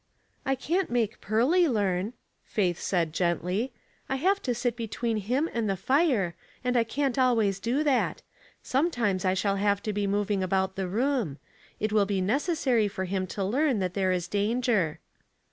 "I can't make Pearly learn,'* Faith said, gently. " I have to sit between him and the fire, and I can't always do that ; sometimes I shall have to be moving about the room ; it will be necessary for him to learn that there ia danger."